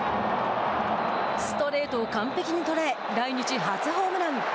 ストレートを完璧に捉え来日初ホームラン。